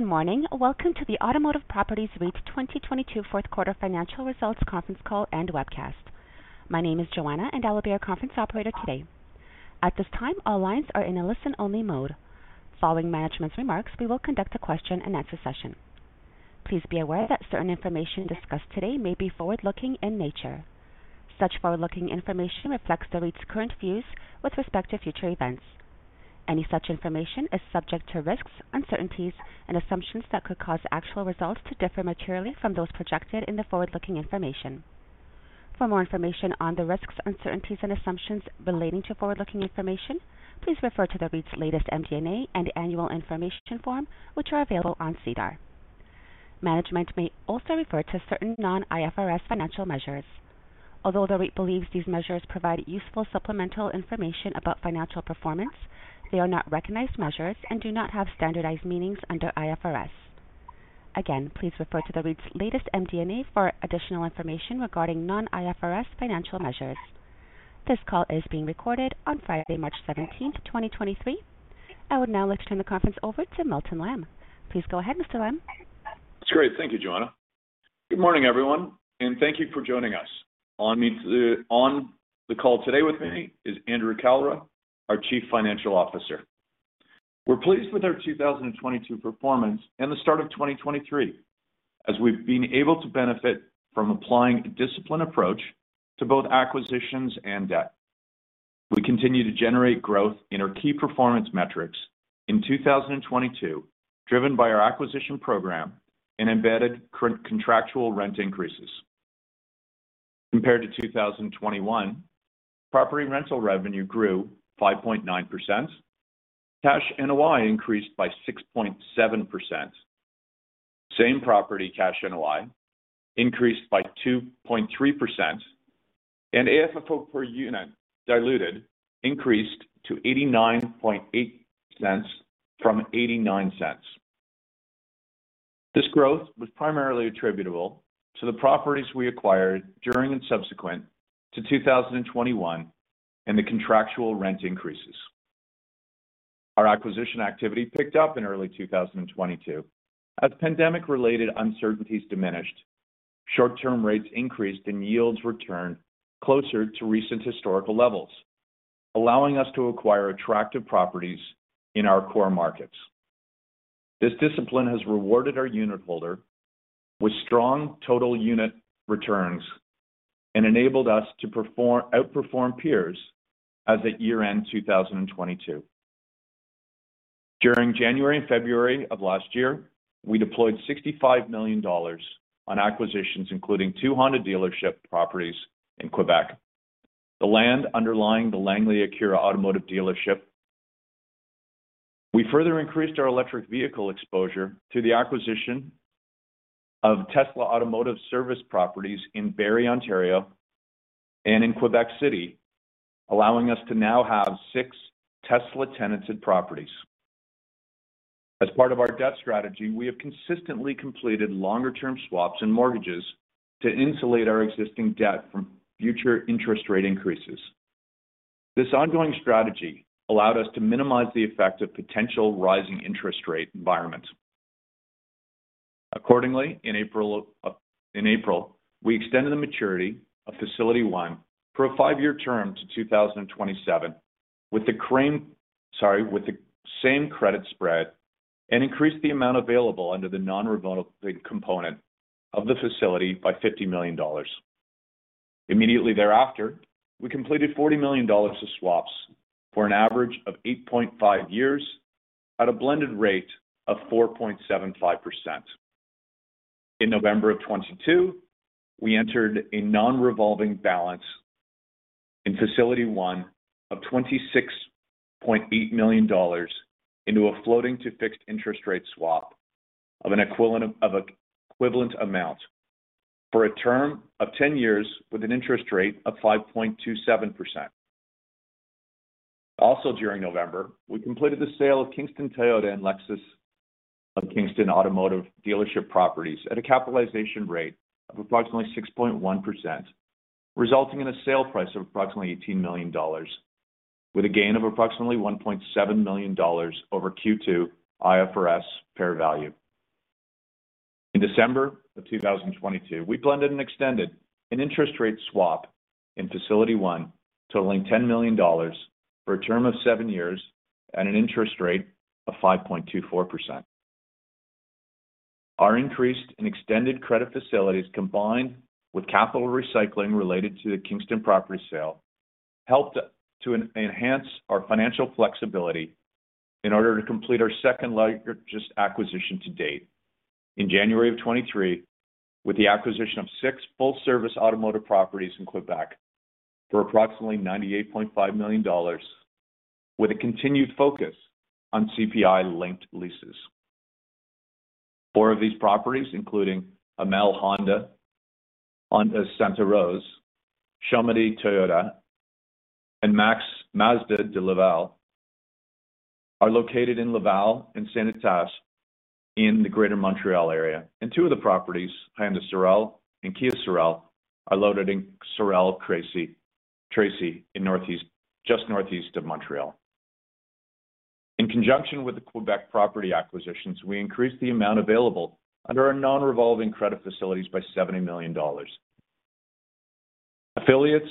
Good morning. Welcome to the Automotive Properties REIT 2022 fourth quarter financial results conference call and webcast. My name is Joanna, and I will be your conference operator today. At this time, all lines are in a listen-only mode. Following management's remarks, we will conduct a question-and-answer session. Please be aware that certain information discussed today may be forward-looking in nature. Such forward-looking information reflects the REIT's current views with respect to future events. Any such information is subject to risks, uncertainties, and assumptions that could cause actual results to differ materially from those projected in the forward-looking information. For more information on the risks, uncertainties, and assumptions relating to forward-looking information, please refer to the REIT's latest MD&A and Annual Information Form, which are available on SEDAR. Management may also refer to certain non-IFRS financial measures. Although the REIT believes these measures provide useful supplemental information about financial performance, they are not recognized measures and do not have standardized meanings under IFRS. Please refer to the REIT's latest MD&A for additional information regarding non-IFRS financial measures. This call is being recorded on Friday, March 17th, 2023. I would now like to turn the conference over to Milton Lamb. Please go ahead, Mr. Lamb. That's great. Thank you, Joanna. Good morning, everyone, and thank you for joining us. On the call today with me is Andrew Kalra, our Chief Financial Officer. We're pleased with our 2022 performance and the start of 2023, as we've been able to benefit from applying a disciplined approach to both acquisitions and debt. We continue to generate growth in our key performance metrics in 2022, driven by our acquisition program and embedded current contractual rent increases. Compared to 2021, property rental revenue grew 5.9%, cash NOI increased by 6.7%, same property cash NOI increased by 2.3%, and AFFO per unit diluted increased to 0.898 from 0.89. This growth was primarily attributable to the properties we acquired during and subsequent to 2021 and the contractual rent increases. Our acquisition activity picked up in early 2022. As pandemic-related uncertainties diminished, short-term rates increased, and yields returned closer to recent historical levels, allowing us to acquire attractive properties in our core markets. This discipline has rewarded our unitholder with strong total unit returns and enabled us to outperform peers as of year-end 2022. During January and February of last year, we deployed 65 million dollars on acquisitions, including two Honda dealership properties in Quebec, the land underlying the Langley Acura automotive dealership. We further increased our electric vehicle exposure through the acquisition of Tesla automotive service properties in Barrie, Ontario, and in Quebec City, allowing us to now have six Tesla tenanted properties. As part of our debt strategy, we have consistently completed longer-term swaps and mortgages to insulate our existing debt from future interest rate increases. This ongoing strategy allowed us to minimize the effect of potential rising interest rate environments. Accordingly, in April, we extended the maturity of Facility One for a five-year term to 2027 with the same credit spread, and increased the amount available under the non-revolving component of the facility by 50 million dollars. Immediately thereafter, we completed 40 million dollars of swaps for an average of 8.5 years at a blended rate of 4.75%. In November of 2022, we entered a non-revolving balance in Facility One of 26.8 million dollars into a floating to fixed interest rate swap of equivalent amount for a term of 10 years with an interest rate of 5.27%. During November, we completed the sale of Kingston Toyota and Lexus of Kingston automotive dealership properties at a capitalization rate of approximately 6.1%, resulting in a sale price of approximately 18 million dollars with a gain of approximately 1.7 million dollars over Q2 IFRS fair value. In December of 2022, we blended and extended an interest rate swap in Facility One totaling 10 million dollars for a term of seven years at an interest rate of 5.24%. Our increased and extended credit facilities, combined with capital recycling related to the Kingston property sale, helped to enhance our financial flexibility in order to complete our second largest acquisition to date in January of 2023, with the acquisition of six full-service automotive properties in Quebec for approximately 98.5 million dollars with a continued focus on CPI-linked leases. Four of these properties, including Hamel Honda Ste-Rose, Chomedey Toyota, and Mazda de Laval, are located in Laval and Saint-Eustache in the Greater Montreal area. Two of the properties, Honda Sorel and Kia Sorel, are located in Sorel-Tracy in northeast, just northeast of Montreal. In conjunction with the Quebec property acquisitions, we increased the amount available under our non-revolving credit facilities by 70 million dollars. Affiliates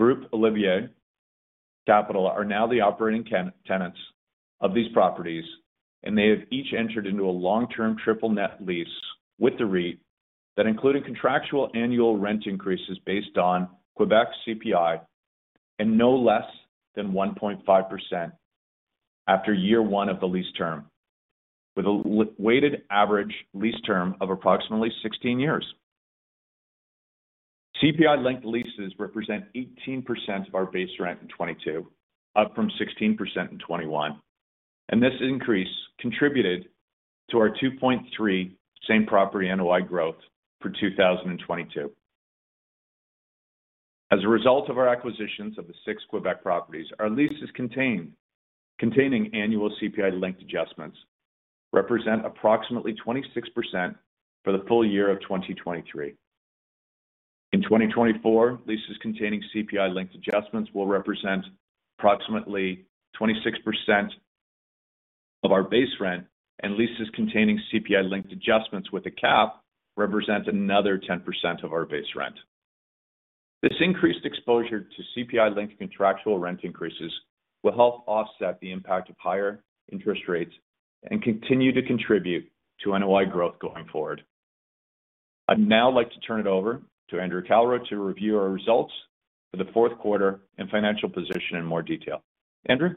Groupe Olivier Capital are now the operating tenants of these properties, they have each entered into a long-term triple-net lease with the REIT that included contractual annual rent increases based on Quebec CPI and no less than 1.5% after year one of the lease term, with a weighted average lease term of approximately 16 years. CPI linked leases represent 18% of our base rent in 2022, up from 16% in 2021, this increase contributed to our 2.3% same property NOI growth for 2022. As a result of our acquisitions of the six Quebec properties, our leases containing annual CPI linked adjustments represent approximately 26% for the full year of 2023. In 2024, leases containing CPI linked adjustments will represent approximately 26% of our base rent, and leases containing CPI linked adjustments with a cap represent another 10% of our base rent. This increased exposure to CPI linked contractual rent increases will help offset the impact of higher interest rates and continue to contribute to NOI growth going forward. I'd now like to turn it over to Andrew Kalra to review our results for the fourth quarter and financial position in more detail. Andrew?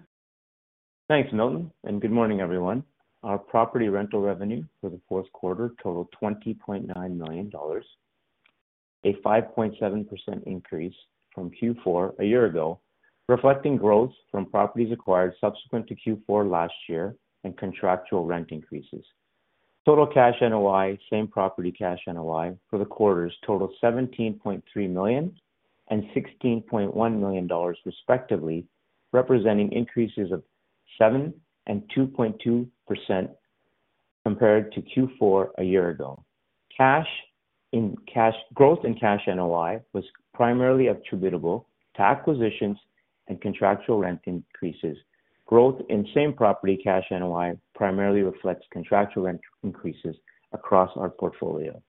Thanks, Milton. Good morning, everyone. Our property rental revenue for the fourth quarter totaled 20.9 million dollars, a 5.7% increase from Q4 a year ago, reflecting growth from properties acquired subsequent to Q4 last year and contractual rent increases. Total cash NOI, same property cash NOI for the quarters totaled 17.3 million and 16.1 million dollars respectively, representing increases of 7% and 2.2% compared to Q4 a year ago. Cash Growth in cash NOI was primarily attributable to acquisitions and contractual rent increases. Growth in same property cash NOI primarily reflects contractual rent increases across our portfolio.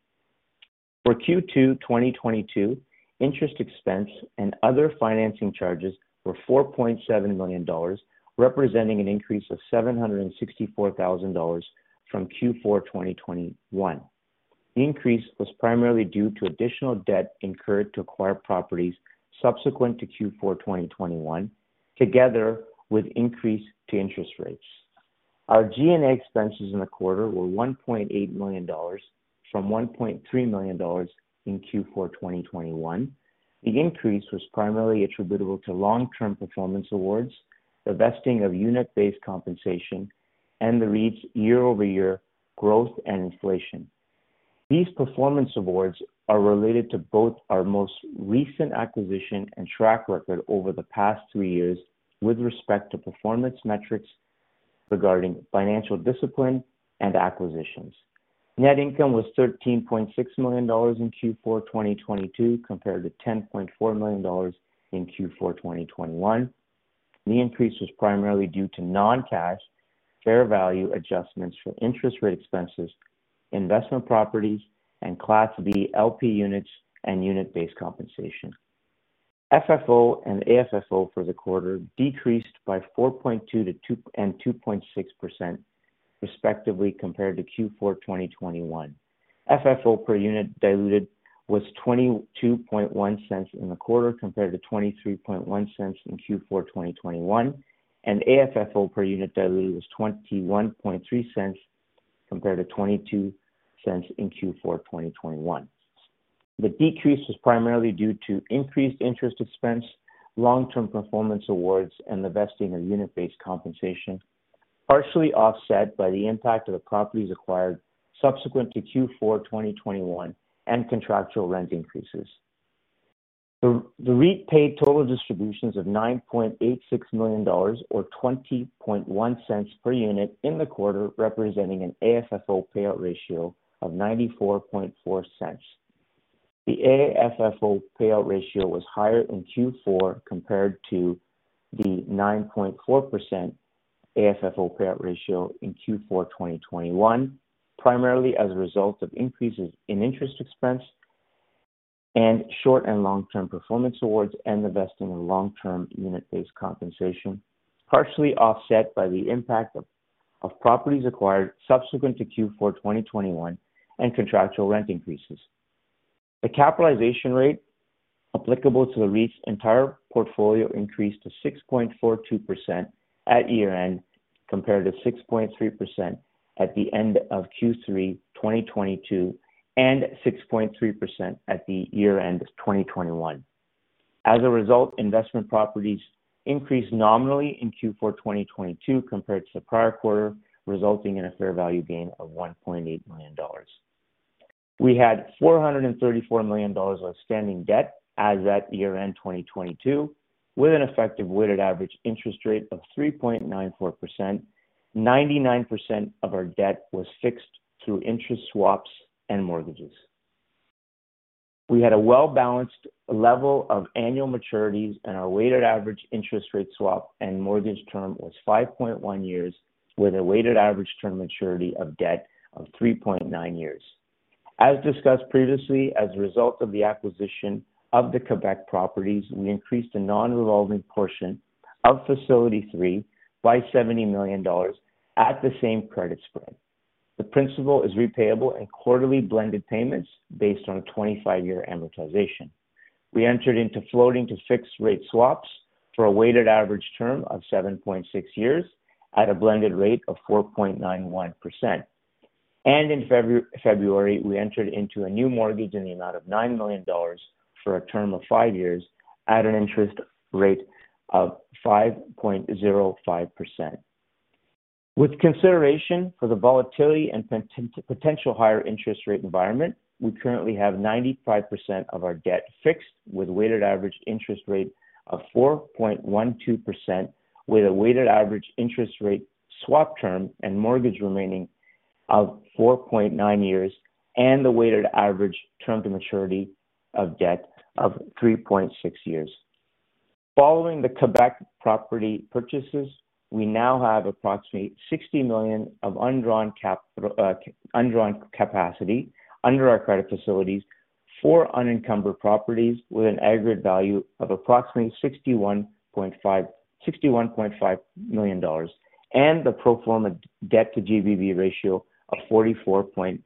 For Q2 2022, interest expense and other financing charges were 4.7 million dollars, representing an increase of 764,000 dollars from Q4 2021. The increase was primarily due to additional debt incurred to acquire properties subsequent to Q4 2021, together with increase to interest rates. Our G&A expenses in the quarter were 1.8 million dollars from 1.3 million dollars in Q4 2021. The increase was primarily attributable to long-term performance awards, the vesting of unit-based compensation, and the REIT's year-over-year growth and inflation. These performance awards are related to both our most recent acquisition and track record over the past three years with respect to performance metrics regarding financial discipline and acquisitions. Net income was 13.6 million dollars in Q4 2022, compared to 10.4 million dollars in Q4 2021. The increase was primarily due to non-cash fair value adjustments for interest rate expenses, investment properties and Class B LP Units and unit-based compensation. FFO and AFFO for the quarter decreased by 4.2% and 2.6% respectively, compared to Q4 2021. FFO per unit diluted was 0.221 in the quarter, compared to 0.231 in Q4 2021, and AFFO per unit diluted was 0.213 compared to 0.22 in Q4 2021. The decrease was primarily due to increased interest expense, long-term performance awards, and the vesting of unit-based compensation, partially offset by the impact of the properties acquired subsequent to Q4 2021 and contractual rent increases. The REIT paid total distributions of 9.86 million dollars or 0.201 per unit in the quarter, representing an AFFO payout ratio of 0.944. The AFFO payout ratio was higher in Q4 compared to the 9.4% AFFO payout ratio in Q4 2021, primarily as a result of increases in interest expense and short and long-term performance awards and the vesting of long-term unit-based compensation, partially offset by the impact of properties acquired subsequent to Q4 2021 and contractual rent increases. The capitalization rate applicable to the REIT's entire portfolio increased to 6.42% at year-end, compared to 6.3% at the end of Q3 2022 and 6.3% at the year-end of 2021. Investment properties increased nominally in Q4 2022 compared to the prior quarter, resulting in a fair value gain of 1.8 million dollars. We had 434 million dollars of outstanding debt as at year-end 2022, with an effective weighted average interest rate of 3.94%. 99% of our debt was fixed through interest swaps and mortgages. We had a well balanced level of annual maturities, and our weighted average interest rate swap and mortgage term was 5.1 years, with a weighted average term maturity of debt of 3.9 years. As discussed previously, as a result of the acquisition of the Quebec properties, we increased the non-revolving portion of Facility Three by 70 million dollars at the same credit spread. The principal is repayable in quarterly blended payments based on a 25-year amortization. We entered into floating to fixed rate swaps for a weighted average term of 7.6 years at a blended rate of 4.91%. In February, we entered into a new mortgage in the amount of 9 million dollars for a term of five years at an interest rate of 5.05%. With consideration for the volatility and potential higher interest rate environment, we currently have 95% of our debt fixed with a weighted average interest rate of 4.12%, with a weighted average interest rate swap term and mortgage remaining of 4.9 years and the weighted average term to maturity of debt of 3.6 years. Following the Quebec property purchases, we now have approximately 60 million of undrawn capacity under our credit facilities for unencumbered properties with an aggregate value of approximately 61.5 million dollars and the pro forma debt to GBV ratio of 44.9%.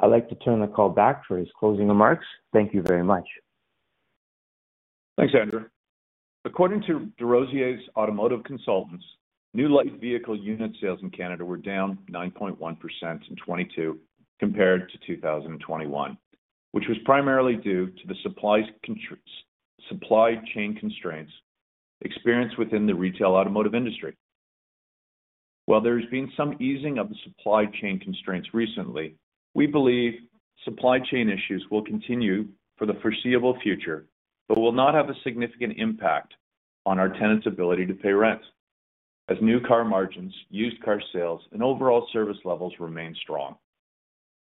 I'd like to turn the call back for his closing remarks. Thank you very much. Thanks, Andrew. According to DesRosiers Automotive Consultants, new light vehicle unit sales in Canada were down 9.1% in 2022 compared to 2021, which was primarily due to the supply chain constraints experienced within the retail automotive industry. While there has been some easing of the supply chain constraints recently, we believe supply chain issues will continue for the foreseeable future, but will not have a significant impact on our tenants' ability to pay rent, as new car margins, used car sales, and overall service levels remain strong.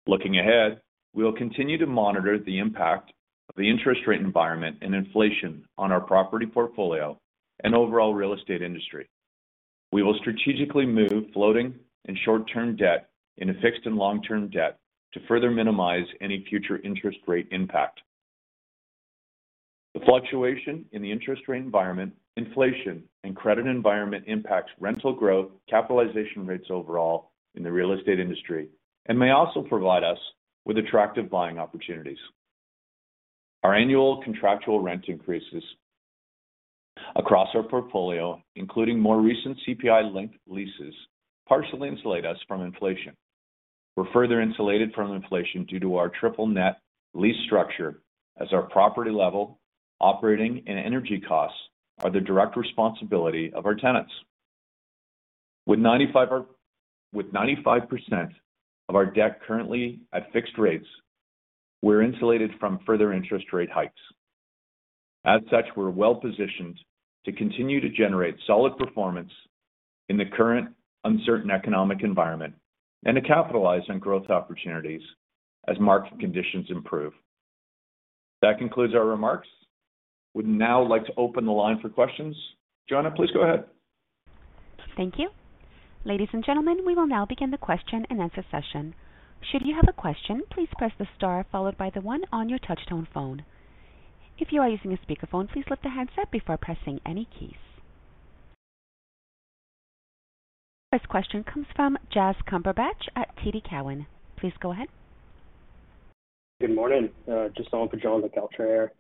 Looking ahead, we will continue to monitor the impact of the interest rate environment and inflation on our property portfolio and overall real estate industry. We will strategically move floating and short-term debt into fixed and long-term debt to further minimize any future interest rate impact. The fluctuation in the interest rate environment, inflation, and credit environment impacts rental growth, capitalization rates overall in the real estate industry, and may also provide us with attractive buying opportunities. Our annual contractual rent increases across our portfolio, including more recent CPI-linked leases, partially insulate us from inflation. We're further insulated from inflation due to our triple-net lease structure as our property level, operating, and energy costs are the direct responsibility of our tenants. With 95% of our debt currently at fixed rates, we're insulated from further interest rate hikes. We're well-positioned to continue to generate solid performance in the current uncertain economic environment and to capitalize on growth opportunities as market conditions improve. That concludes our remarks. Would now like to open the line for questions. Joanna, please go ahead. Thank you. Ladies and gentlemen, we will now begin the question-and-answer session. Should you have a question, please press the star followed by the one on your touchtone phone. If you are using a speakerphone, please lift the handset before pressing any keys. First question comes from Jaz Cumberbatch at TD Cowen. Please go ahead. Good morning. Just on for John MacAltra here.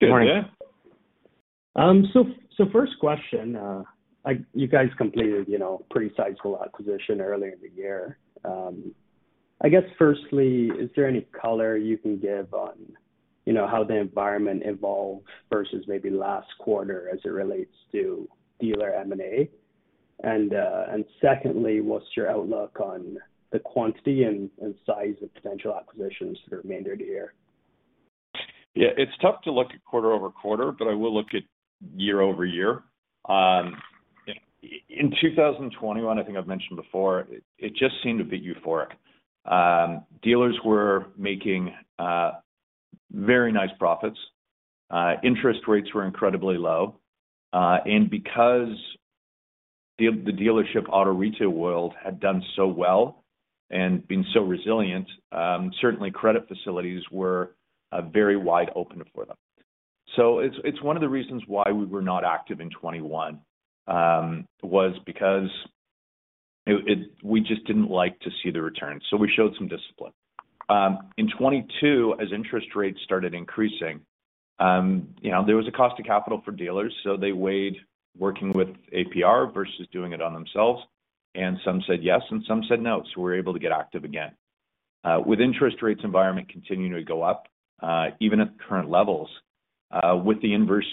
Good morning. First question, you guys completed, you know, pretty sizable acquisition earlier in the year. I guess firstly, is there any color you can give on, you know, how the environment evolved versus maybe last quarter as it relates to dealer M&A? Secondly, what's your outlook on the quantity and size of potential acquisitions for the remainder of the year? It's tough to look at quarter-over-quarter, I will look at year-over-year. In 2021, I think I've mentioned before, it just seemed a bit euphoric. Dealers were making very nice profits. Interest rates were incredibly low. Because the dealership auto retail world had done so well and been so resilient, certainly credit facilities were very wide open for them. It's one of the reasons why we were not active in 2021, was because it just didn't like to see the return. We showed some discipline. In 2022, as interest rates started increasing, you know, there was a cost of capital for dealers, they weighed working with APR versus doing it on themselves. Some said yes, some said no. We're able to get active again. With interest rates environment continuing to go up, even at the current levels, with the inverse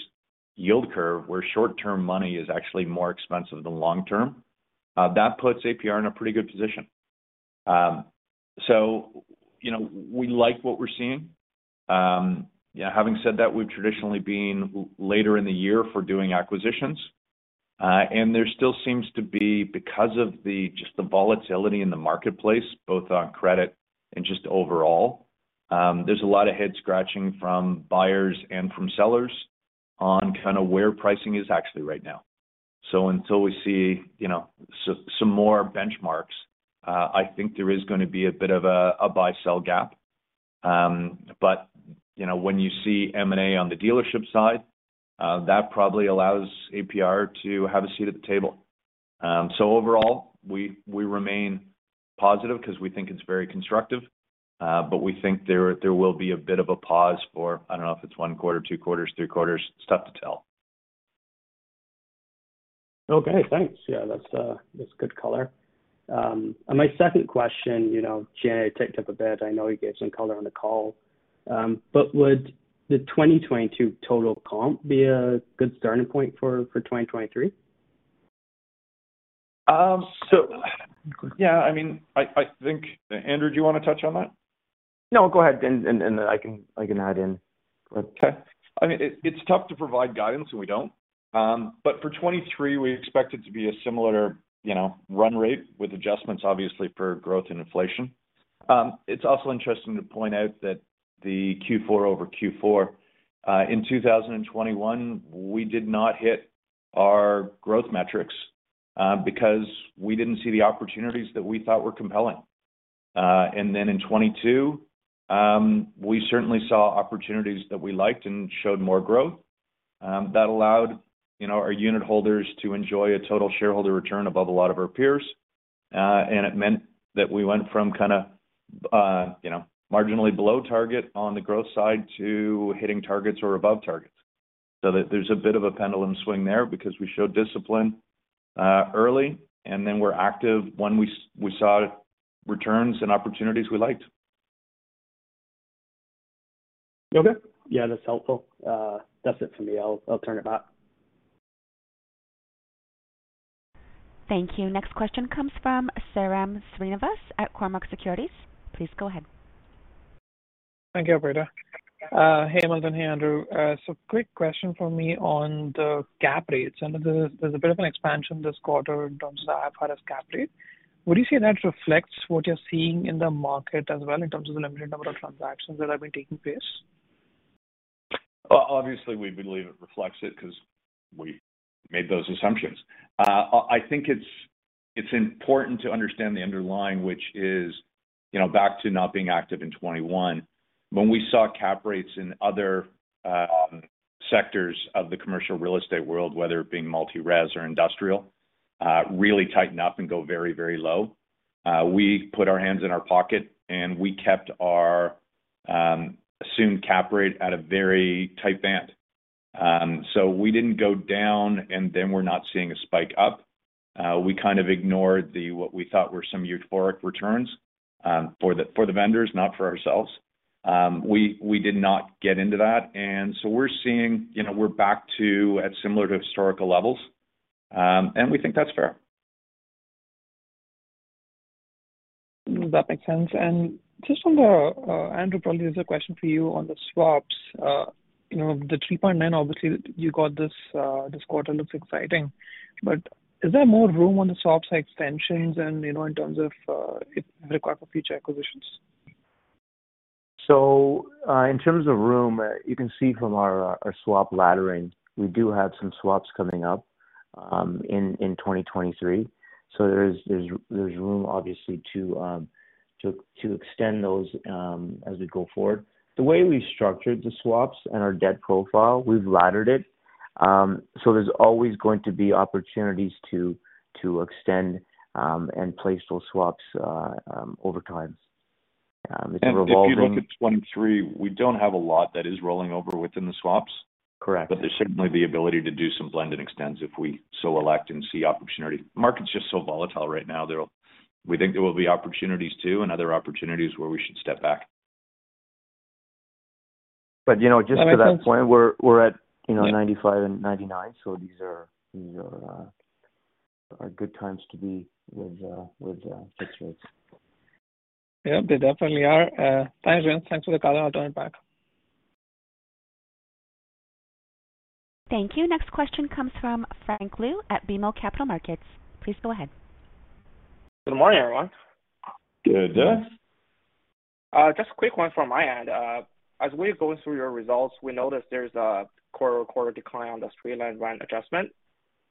yield curve, where short-term money is actually more expensive than long term, that puts APR in a pretty good position. You know, we like what we're seeing. Yeah, having said that, we've traditionally been later in the year for doing acquisitions. There still seems to be, because of the, just the volatility in the marketplace, both on credit and just overall, there's a lot of head scratching from buyers and from sellers on kind of where pricing is actually right now. Until we see, you know, some more benchmarks, I think there is gonna be a bit of a buy-sell gap. You know, when you see M&A on the dealership side, that probably allows APR to have a seat at the table. Overall, we remain positive because we think it's very constructive. We think there will be a bit of a pause for, I don't know if it's one quarter, two quarters, three quarters. It's tough to tell. Okay, thanks. Yeah, that's good color. My second question, you know, January ticked up a bit. I know you gave some color on the call, but would the 2022 total comp be a good starting point for 2023? Yeah. I mean, I think Andrew, do you wanna touch on that? No, go ahead, and I can add in. Okay. I mean, it's tough to provide guidance, we don't. For 2023, we expect it to be a similar, you know, run rate with adjustments obviously for growth and inflation. It's also interesting to point out that the Q4 over Q4 in 2021, we did not hit our growth metrics because we didn't see the opportunities that we thought were compelling. In 2022, we certainly saw opportunities that we liked and showed more growth that allowed, you know, our unit holders to enjoy a total shareholder return above a lot of our peers. It meant that we went from kinda, you know, marginally below target on the growth side to hitting targets or above targets. There, there's a bit of a pendulum swing there because we showed discipline, early, and then we're active when we saw returns and opportunities we liked. Okay. Yeah, that's helpful. That's it for me. I'll turn it back. Thank you. Next question comes from Sairam Srinivas at Cormark Securities. Please go ahead. Thank you, operator. Hey, Milton. Hey, Andrew. Quick question from me on the cap rates. I know there's a bit of an expansion this quarter in terms of the IFRS cap rate. Would you say that reflects what you're seeing in the market as well in terms of the limited number of transactions that have been taking place? Obviously, we believe it reflects it 'cause we made those assumptions. I think it's important to understand the underlying, which is, you know, back to not being active in 2021. When we saw cap rates in other sectors of the commercial real estate world, whether it being multi-res or industrial, really tighten up and go very, very low, we put our hands in our pocket, and we kept our assumed cap rate at a very tight band. We didn't go down, and then we're not seeing a spike up. We kind of ignored what we thought were some euphoric returns for the vendors, not for ourselves. We did not get into that. We're seeing, you know, we're back to at similar to historical levels, and we think that's fair. That makes sense. Just on the Andrew, probably is a question for you on the swaps. You know, the 3.9%, obviously you got this this quarter, looks exciting. Is there more room on the swap side extensions and, you know, in terms of, it require for future acquisitions? In terms of room, you can see from our swap laddering, we do have some swaps coming up in 2023. There's room obviously to extend those as we go forward. The way we've structured the swaps and our debt profile, we've laddered it. There's always going to be opportunities to extend and place those swaps over time. It's revolving. If you look at 2023, we don't have a lot that is rolling over within the swaps. Correct. There's certainly the ability to do some blend and extends if we so elect and see opportunity. Market's just so volatile right now. We think there will be opportunities too, and other opportunities where we should step back. you know, just to that point. That makes sense. We're at, you know, 95 and 99. These are good times to be with fixed rates. They definitely are. Thanks, guys. Thanks for the call. I'll turn it back. Thank you. Next question comes from Frank Liu at BMO Capital Markets. Please go ahead. Good morning, everyone. Good day. Just a quick one from my end. As we're going through your results, we noticed there's a quarter-over-quarter decline on the straight-line run adjustment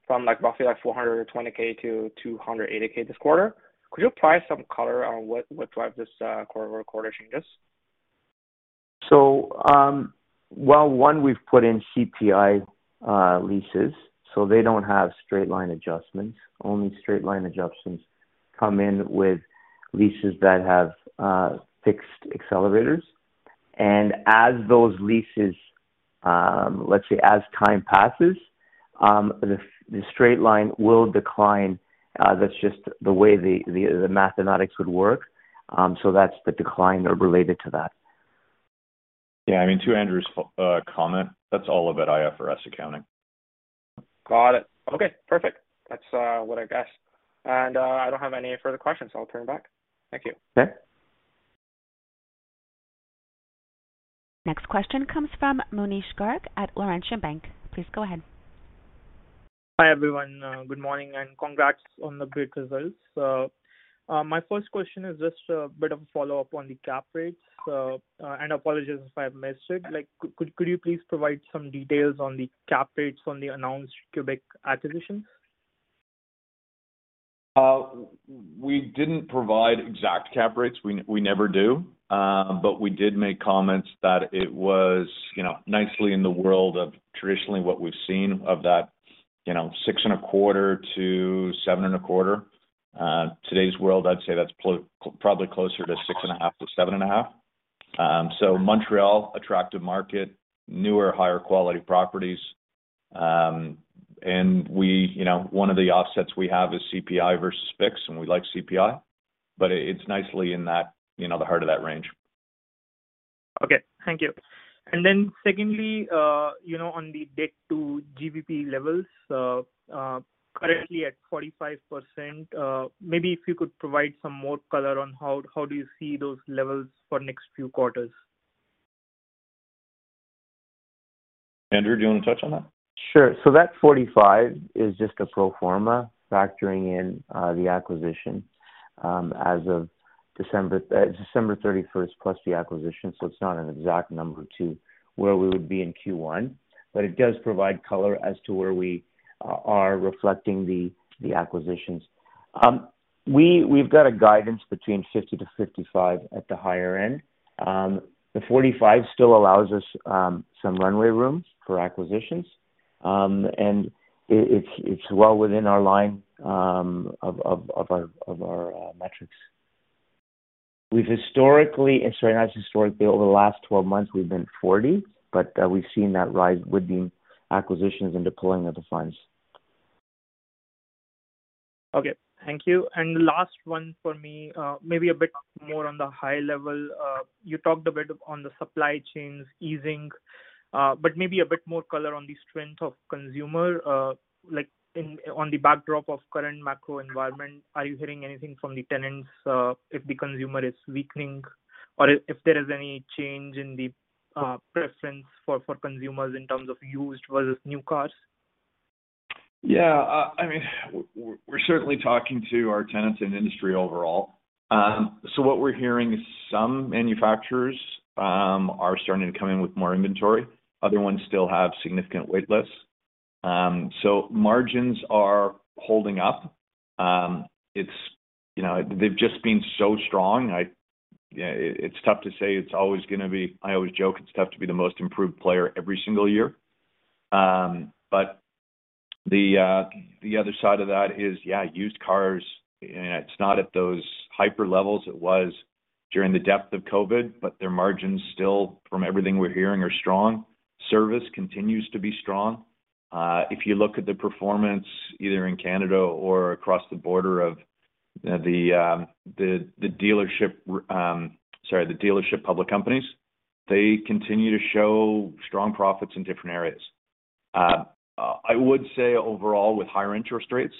from, like, roughly like 420,000 to 280,000 this quarter. Could you apply some color on what drives this quarter-over-quarter changes? Well, one, we've put in CPI leases, so they don't have straight line adjustments. Only straight line adjustments come in with leases that have fixed accelerators. As those leases, let's say as time passes, the straight line will decline, that's just the way the mathematics would work. That's the decline related to that. Yeah, I mean, to Andrew's comment, that's all about IFRS accounting. Got it. Okay, perfect. That's what I guess. I don't have any further questions, so I'll turn back. Thank you. Okay. Next question comes from Manish Garg at Laurentian Bank. Please go ahead. Hi, everyone. Good morning, congrats on the great results. My first question is just a bit of a follow-up on the cap rates. Apologies if I missed it. Could you please provide some details on the cap rates on the announced Quebec acquisition? We didn't provide exact cap rates. We never do. But we did make comments that it was, you know, nicely in the world of traditionally what we've seen of that, you know, 6.25%-7.25%. Today's world, I'd say that's probably closer to 6.5%-7.5%. So Montreal, attractive market, newer, higher quality properties. And we. You know, one of the offsets we have is CPI versus picks, and we like CPI, but it's nicely in that, you know, the heart of that range. Okay. Thank you. Secondly, you know, on the debt to GBV levels, currently at 45%, maybe if you could provide some more color on how do you see those levels for next few quarters? Andrew, do you wanna touch on that? Sure. That 45% is just a pro forma factoring in the acquisition as of December 31st plus the acquisition. It's not an exact number to where we would be in Q1, but it does provide color as to where we are reflecting the acquisitions. We've got a guidance between 50%-55% at the higher end. The 45% still allows us some runway rooms for acquisitions. It's well within our line of our metrics. It has historically, over the last 12 months, we've been 40%, but we've seen that rise with the acquisitions and deploying of the funds. Okay. Thank you. Last one for me, maybe a bit more on the high level. You talked a bit on the supply chains easing, but maybe a bit more color on the strength of consumer, like on the backdrop of current macro environment. Are you hearing anything from the tenants, if the consumer is weakening or if there is any change in the preference for consumers in terms of used versus new cars? Yeah. I mean, we're certainly talking to our tenants and industry overall. What we're hearing is some manufacturers are starting to come in with more inventory. Other ones still have significant wait lists. Margins are holding up. It's, you know, they've just been so strong. It's tough to say it's always gonna be... I always joke it's tough to be the most improved player every single year. The other side of that is, yeah, used cars, it's not at those hyper levels it was during the depth of COVID, but their margins still, from everything we're hearing, are strong. Service continues to be strong. If you look at the performance either in Canada or across the border of the dealership public companies, they continue to show strong profits in different areas. I would say overall with higher interest rates,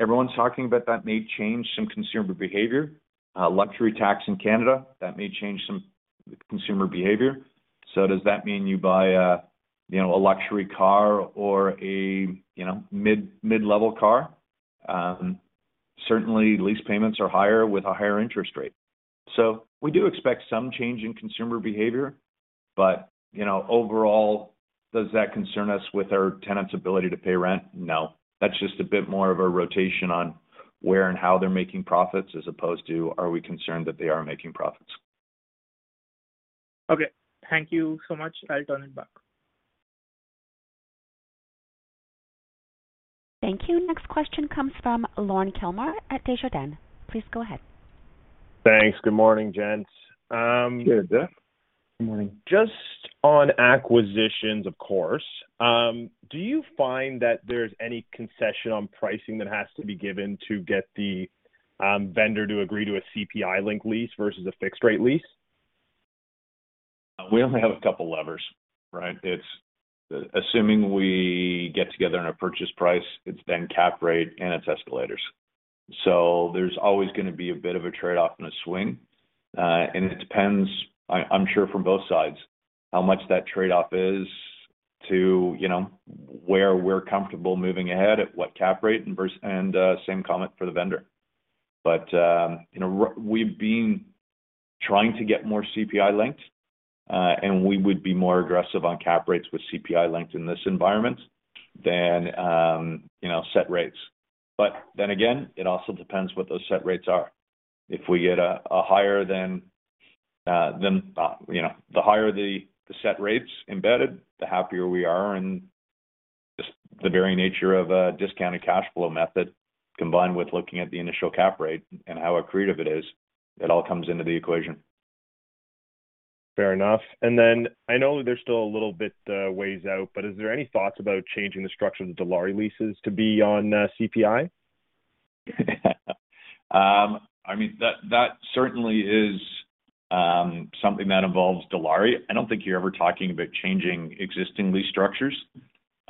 everyone's talking about that may change some consumer behavior. Luxury tax in Canada, that may change some consumer behavior. Does that mean you buy a, you know, a luxury car or a, you know, mid-level car? Certainly lease payments are higher with a higher interest rate. We do expect some change in consumer behavior. You know, overall, does that concern us with our tenants' ability to pay rent? No. That's just a bit more of a rotation on where and how they're making profits, as opposed to are we concerned that they are making profits. Okay. Thank you so much. I'll turn it back. Thank you. Next question comes from Lorne Kalmar at Desjardins. Please go ahead. Thanks. Good morning, gents. Good. Good morning. Just on acquisitions, of course. Do you find that there's any concession on pricing that has to be given to get the vendor to agree to a CPI link lease versus a fixed rate lease? We only have a couple levers, right? It's assuming we get together on a purchase price, it's then cap rate and it's escalators. There's always gonna be a bit of a trade-off and a swing. It depends, I'm sure from both sides, how much that trade-off is to, you know, where we're comfortable moving ahead at what cap rate and same comment for the vendor. You know, we've been trying to get more CPI linked, and we would be more aggressive on cap rates with CPI linked in this environment than, you know, set rates. Again, it also depends what those set rates are. If we get a higher than, you know, the higher the set rates embedded, the happier we are. Just the very nature of a discounted cash flow method combined with looking at the initial cap rate and how accretive it is, it all comes into the equation. Fair enough. Then I know there's still a little bit ways out, but is there any thoughts about changing the structure of the Dilawri leases to be on CPI? I mean, that certainly is something that involves Dilawri. I don't think you're ever talking about changing existing lease structures.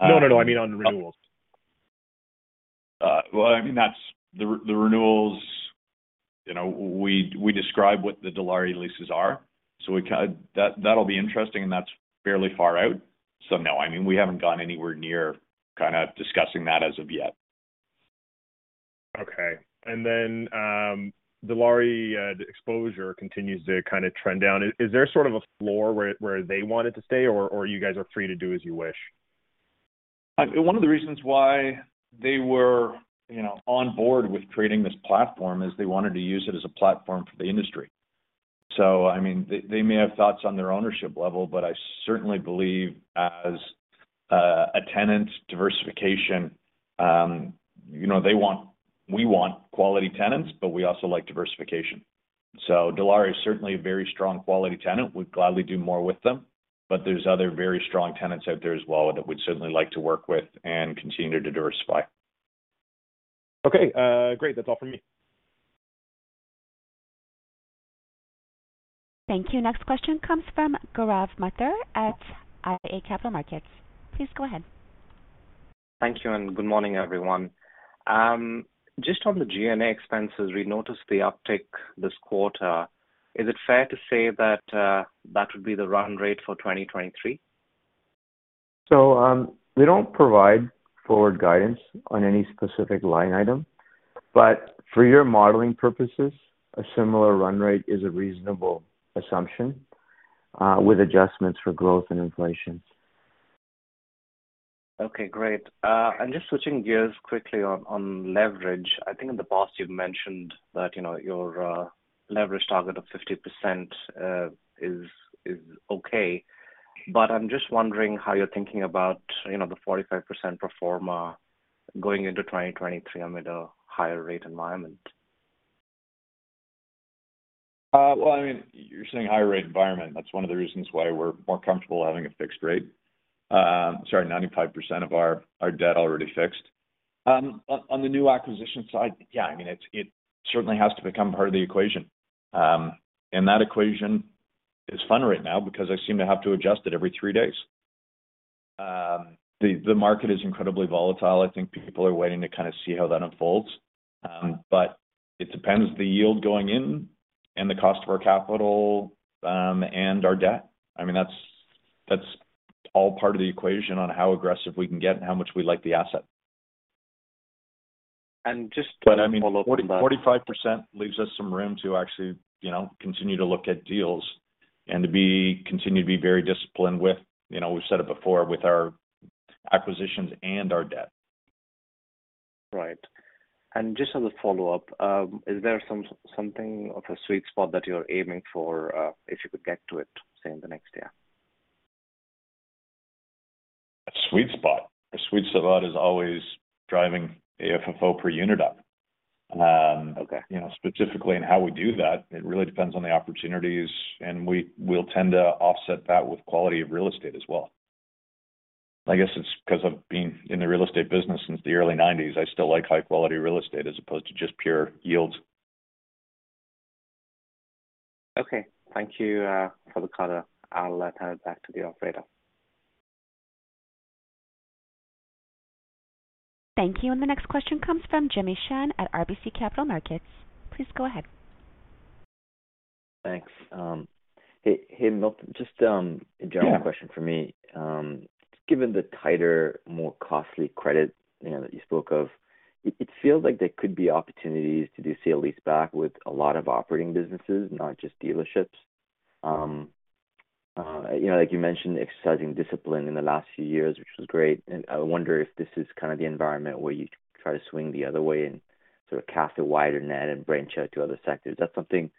No, no. I mean, on renewals. Well, I mean, that's the renewals. You know, we describe what the Dilawri leases are, so we that'll be interesting, and that's fairly far out. No, I mean, we haven't gone anywhere near kinda discussing that as of yet. Okay. Dilawri, the exposure continues to kind of trend down. Is there sort of a floor where they want it to stay or you guys are free to do as you wish? One of the reasons why they were, you know, on board with creating this platform is they wanted to use it as a platform for the industry. I mean they may have thoughts on their ownership level, but I certainly believe as a tenant diversification, you know, we want quality tenants, but we also like diversification. Dilawri is certainly a very strong quality tenant. We'd gladly do more with them, but there's other very strong tenants out there as well that we'd certainly like to work with and continue to diversify. Okay. great. That's all for me. Thank you. Next question comes from Gaurav Mathur at iA Capital Markets. Please go ahead. Thank you, and good morning, everyone. Just on the G&A expenses, we noticed the uptick this quarter. Is it fair to say that that would be the run rate for 2023? We don't provide forward guidance on any specific line item, but for your modeling purposes, a similar run rate is a reasonable assumption, with adjustments for growth and inflation. Okay, great. Just switching gears quickly on leverage. I think in the past you've mentioned that, you know, your leverage target of 50% is okay. I'm just wondering how you're thinking about, you know, the 45% pro forma going into 2023 amid a higher rate environment? Well, I mean, you're seeing higher rate environment. That's one of the reasons why we're more comfortable having a fixed rate. Sorry, 95% of our debt already fixed. On the new acquisition side, yeah, I mean, it certainly has to become part of the equation. That equation is fun right now because I seem to have to adjust it every three days. The market is incredibly volatile. I think people are waiting to kind of see how that unfolds. It depends the yield going in and the cost of our capital and our debt. I mean, that's all part of the equation on how aggressive we can get and how much we like the asset. Just to follow up. I mean, 40%, 45% leaves us some room to actually, you know, continue to look at deals and continue to be very disciplined with, you know, we've said it before with our acquisitions and our debt. Right. Just as a follow-up, is there something of a sweet spot that you're aiming for, if you could get to it, say, in the next year? A sweet spot. A sweet spot is always driving AFFO per unit up. Okay. You know, specifically in how we do that, it really depends on the opportunities, and we'll tend to offset that with quality of real estate as well. I guess it's 'cause of being in the real estate business since the early 1990s, I still like high-quality real estate as opposed to just pure yields. Okay. Thank you for the color. I'll turn it back to the operator. Thank you. The next question comes from Jimmy Shan at RBC Capital Markets. Please go ahead. Thanks. Hey, hey, Milton. Just a general question for me. Given the tighter, more costly credit, you know, that you spoke of, it feels like there could be opportunities to do sale leaseback with a lot of operating businesses, not just dealerships. You know, like you mentioned, exercising discipline in the last few years, which was great, and I wonder if this is kind of the environment where you try to swing the other way and sort of cast a wider net and branch out to other sectors. Is that something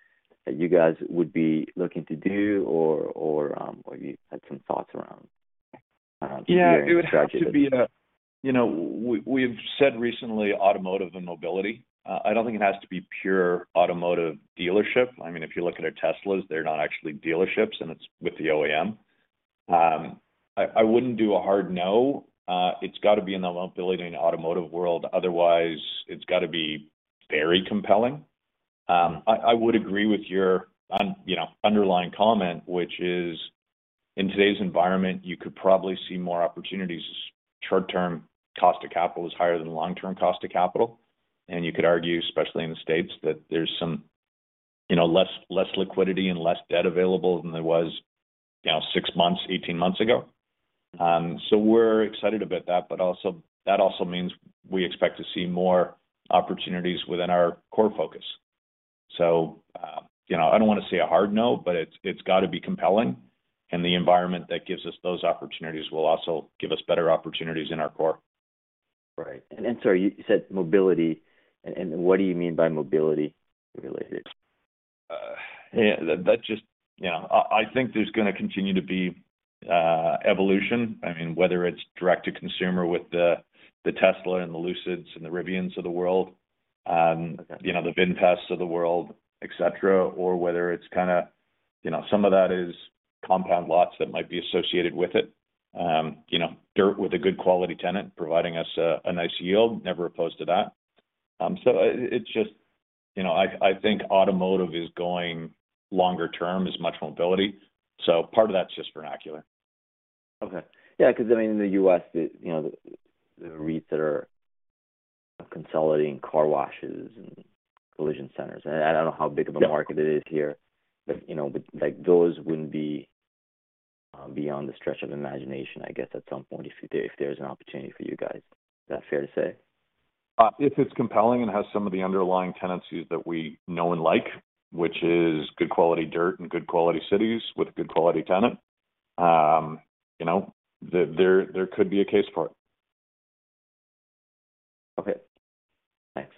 that you guys would be looking to do or you had some thoughts around? You know, we've said recently automotive and mobility. I don't think it has to be pure automotive dealership. I mean, if you look at our Teslas, they're not actually dealerships, and it's with the OEM. I wouldn't do a hard no. It's gotta be in the mobility and automotive world, otherwise it's gotta be very compelling. I would agree with your, you know, underlying comment, which is, in today's environment, you could probably see more opportunities as short-term cost of capital is higher than long-term cost of capital. You could argue, especially in the States, that there's some, you know, less liquidity and less debt available than there was, you know, 6 months, 18 months ago. We're excited about that, but that also means we expect to see more opportunities within our core focus. You know, I don't wanna say a hard no, but it's gotta be compelling, and the environment that gives us those opportunities will also give us better opportunities in our core. Right. Sorry, you said mobility. What do you mean by mobility related? Yeah, that just. You know, I think there's gonna continue to be evolution. I mean, whether it's direct to consumer with the Tesla and the Lucids and the Rivians of the world. Okay. You know, the VinFast of the world, et cetera, or whether it's kind of. You know, some of that is compound lots that might be associated with it. You know, dirt with a good quality tenant providing us a nice yield. Never opposed to that. It's just. You know, I think automotive is going longer term as much mobility. Part of that's just vernacular. Okay. Yeah, 'cause I mean, in the U.S., you know, the REITs that are consolidating car washes and collision centers. I don't know how big of a market it is here, but, you know, but like, those wouldn't be beyond the stretch of imagination, I guess, at some point if there's an opportunity for you guys. Is that fair to say? If it's compelling and has some of the underlying tenancies that we know and like, which is good quality dirt in good quality cities with a good quality tenant, you know, there could be a case for it. Okay, thanks.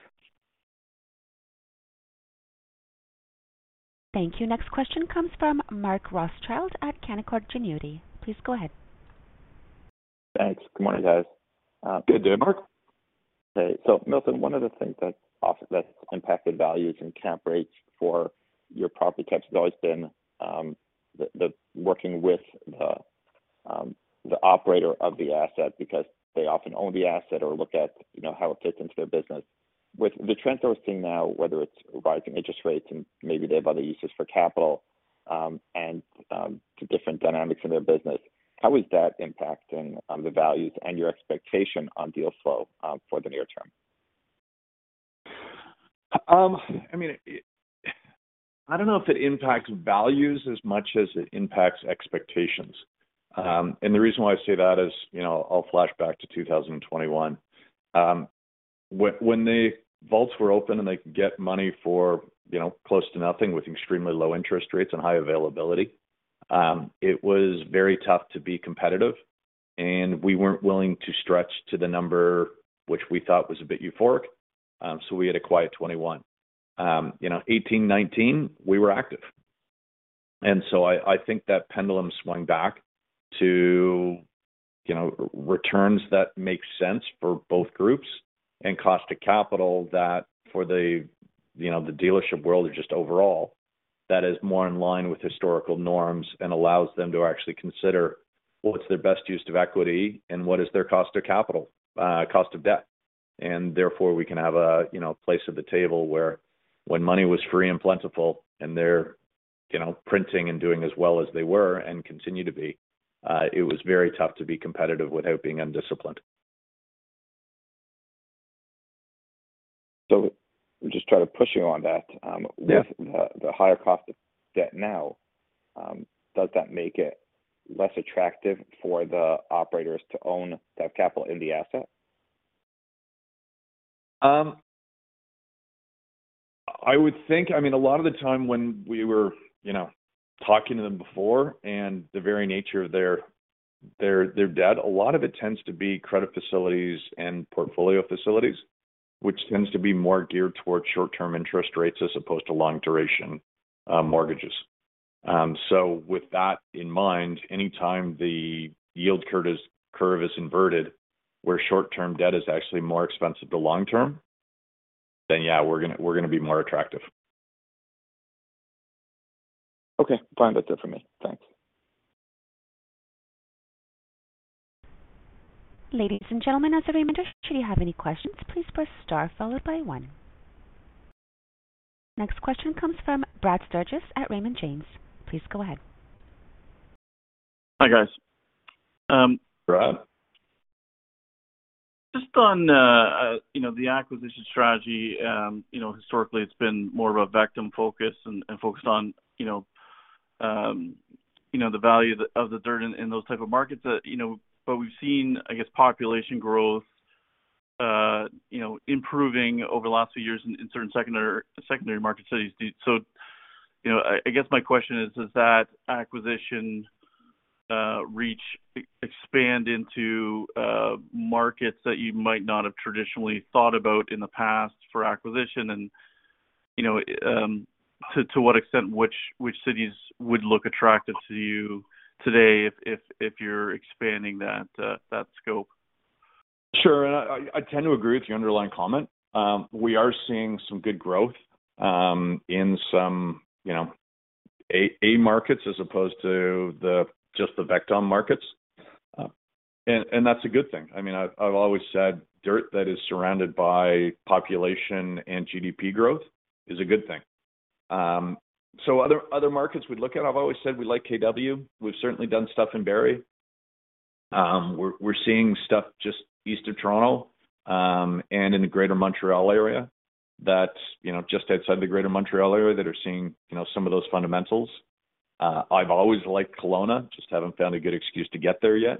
Thank you. Next question comes from Mark Rothschild at Canaccord Genuity. Please go ahead. Thanks. Good morning, guys. Good day, Mark. Milton, one of the things that's impacted values and cap rates for your property types has always been the working with the operator of the asset because they often own the asset or look at, you know, how it fits into their business. With the trends that we're seeing now, whether it's rising interest rates and maybe they have other uses for capital, and to different dynamics in their business, how is that impacting on the values and your expectation on deal flow for the near term? I mean, I don't know if it impacts values as much as it impacts expectations. The reason why I say that is, you know, I'll flash back to 2021. When the vaults were open and they could get money for, you know, close to nothing with extremely low interest rates and high availability, it was very tough to be competitive, and we weren't willing to stretch to the number which we thought was a bit euphoric. we had a quiet 2021. You know, 2018, 2019, we were active. I think that pendulum swung back to, you know, returns that make sense for both groups and cost of capital that for the, you know, the dealership world or just overall, that is more in line with historical norms and allows them to actually consider what's their best use of equity and what is their cost of capital, cost of debt. Therefore, we can have a, you know, place at the table where when money was free and plentiful and they're, you know, printing and doing as well as they were and continue to be, it was very tough to be competitive without being undisciplined. just try to push you on that. Yeah. With the higher cost of debt now, does that make it less attractive for the operators to own that capital in the asset? I would think, I mean, a lot of the time when we were, you know, talking to them before and the very nature of their debt, a lot of it tends to be credit facilities and portfolio facilities, which tends to be more geared towards short-term interest rates as opposed to long duration, mortgages. With that in mind, anytime the yield curve is inverted, where short-term debt is actually more expensive than long-term, then yeah, we're gonna be more attractive. Okay. Fine. That's it for me. Thanks. Ladies and gentlemen, as a reminder, should you have any questions, please press star followed by one. Next question comes from Brad Sturges at Raymond James. Please go ahead. Hi, guys. Brad. Just on, you know, the acquisition strategy, you know, historically it's been more of a vector focus and focused on, you know, you know, the value of the dirt in those type of markets that, you know. We've seen, I guess, population growth, you know, improving over the last few years in certain secondary market cities. You know, I guess my question is, does that acquisition reach expand into markets that you might not have traditionally thought about in the past for acquisition? You know, to what extent which cities would look attractive to you today if you're expanding that scope? Sure. I tend to agree with your underlying comment. We are seeing some good growth, in some, you know, A markets as opposed to the, just the vector markets. That's a good thing. I mean, I've always said dirt that is surrounded by population and GDP growth is a good thing. Other, other markets we'd look at, I've always said we like KW. We've certainly done stuff in Barrie. We're seeing stuff just east of Toronto, and in the Greater Montreal area that's, you know, just outside the Greater Montreal area that are seeing, you know, some of those fundamentals. I've always liked Kelowna, just haven't found a good excuse to get there yet.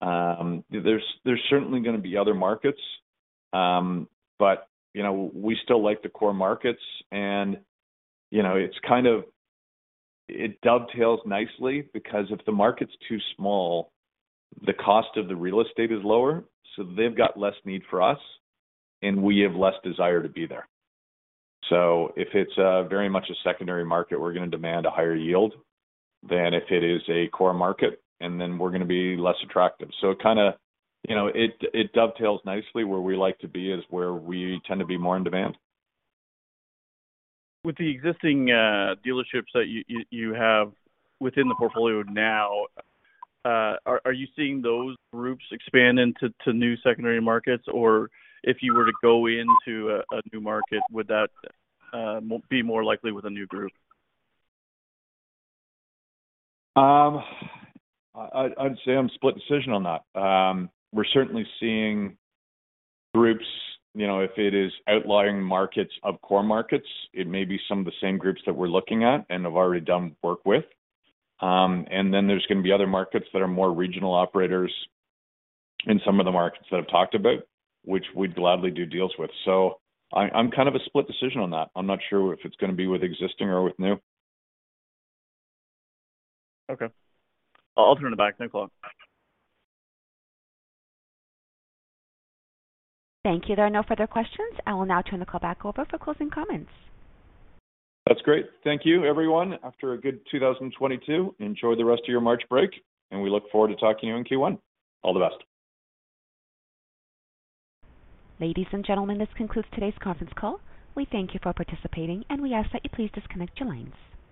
There's certainly gonna be other markets. You know, we still like the core markets and, you know, it dovetails nicely because if the market's too small, the cost of the real estate is lower, so they've got less need for us, and we have less desire to be there. If it's very much a secondary market, we're gonna demand a higher yield than if it is a core market, and then we're gonna be less attractive. It kinda, you know, it dovetails nicely. Where we like to be is where we tend to be more in demand. With the existing dealerships that you have within the portfolio now, are you seeing those groups expand into new secondary markets? If you were to go into a new market, would that be more likely with a new group? I'd say I'm split decision on that. We're certainly seeing groups, you know, if it is outlying markets of core markets, it may be some of the same groups that we're looking at and have already done work with. There's gonna be other markets that are more regional operators in some of the markets that I've talked about, which we'd gladly do deals with. I'm kind of a split decision on that. I'm not sure if it's gonna be with existing or with new. Okay. I'll turn it back. Thanks a lot. Thank you. There are no further questions. I will now turn the call back over for closing comments. That's great. Thank you, everyone. After a good 2022, enjoy the rest of your March Break, and we look forward to talking to you in Q1. All the best. Ladies and gentlemen, this concludes today's conference call. We thank you for participating, and we ask that you please disconnect your lines.